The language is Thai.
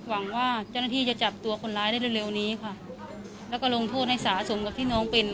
หวังว่าเจ้าหน้าที่จะจับตัวคนร้ายได้เร็วนี้ค่ะแล้วก็ลงโทษให้สะสมกับที่น้องเป็น